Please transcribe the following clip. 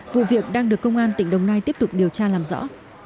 vụ việc đang được công an tỉnh đồng nai tiếp tục điều tra làm rõ